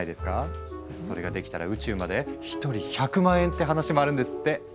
それができたら宇宙まで１人１００万円って話もあるんですって。